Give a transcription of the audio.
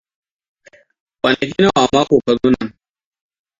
Kwanaki nawa a mako ka zo nan?